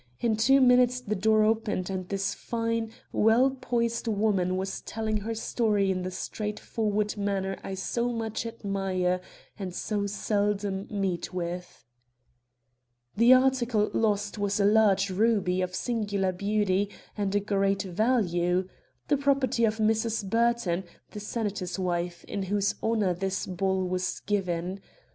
In two minutes the door opened and this fine, well poised woman was telling her story in the straight forward manner I so much admire and so seldom meet with. The article lost was a large ruby of singular beauty and great value the property of Mrs. Burton, the senator's wife, in whose honor this ball was given.